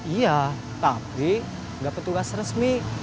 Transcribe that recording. iya tapi nggak petugas resmi